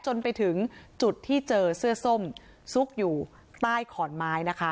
จนไปถึงจุดที่เจอเสื้อส้มซุกอยู่ใต้ขอนไม้นะคะ